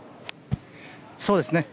そうですね。